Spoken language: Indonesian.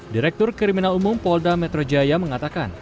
direktur kriminal umum polda metro jaya mengatakan